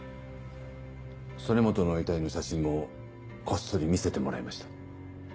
曽根本の遺体の写真もこっそり見せてもらいました。